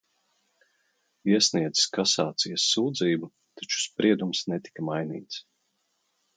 Iesniedzis kasācijas sūdzību, taču spriedums netika mainīts.